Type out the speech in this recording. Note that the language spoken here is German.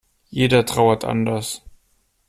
Jeder trauert anders.